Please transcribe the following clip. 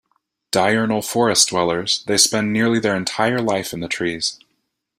Diurnal forest dwellers, they spend nearly their entire life in the trees.